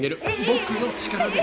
僕の力で。